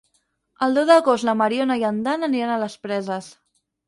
El deu d'agost na Mariona i en Dan aniran a les Preses.